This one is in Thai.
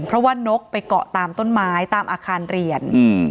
เพราะว่านกไปเกาะตามต้นไม้ตามอาคารเรียน